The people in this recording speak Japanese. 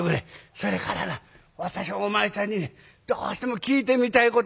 それからな私お前さんにどうしても聞いてみたいこと」。